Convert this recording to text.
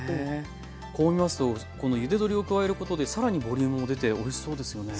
こう見ますとこのゆで鶏を加えることで更にボリュームも出ておいしそうですよね。